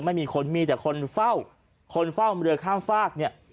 ไม่มีคนมีแต่คนเฝ้าคนเฝ้าเรือข้ามฝากเนี่ย